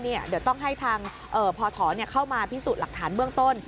เดี๋ยวต้องให้ทางพศเข้ามาพิสูจน์หลักฐานเบื้องต้น